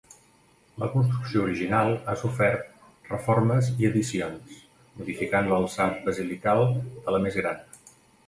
La construcció original ha sofert reformes i addicions, modificant l'alçat basilical de la més gran.